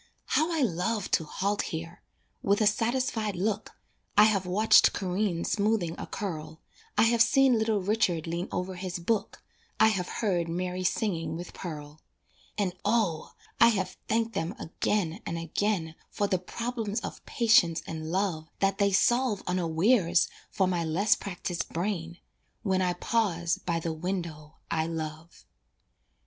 How I love to halt here! With a satisfied look, I have watched Corinne smoothing a curl, I have seen little Richard lean over his book, I have heard Mary singing with Pearl. And O! I have thanked them again and again For the problems of patience and love That they solve unawares for my less practiced brain When I pause by the window I love.